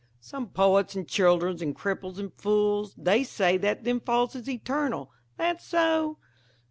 "Some poets and children and cripples and fools They say that them Falls is eternal. That so?